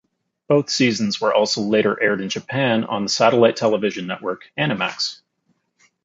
Both seasons were also later aired in Japan on the satellite television network Animax.